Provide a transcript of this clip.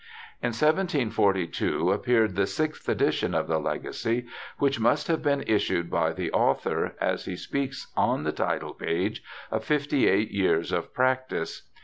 D 2 36 BIOGRAPHICAL ESSAYS In 1742 appeared the sixth edition of the Legacy^ which must have been issued by the author, as he speaks on the title page of fifty eight years of practice.